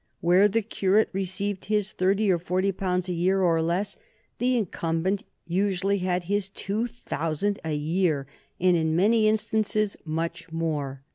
Where the curate received his thirty or forty pounds a year or less, the incumbent usually had his two thousand a year, and in many instances much more.